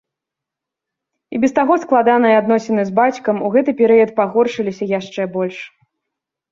І без таго складаныя адносіны з бацькам у гэты перыяд пагоршыліся яшчэ больш.